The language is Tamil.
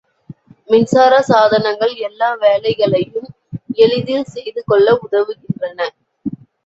மின்சார சாதனங்கள் எல்லா வேலைகளையும் எளிதில் செய்துகொள்ள உதவுகின்றன.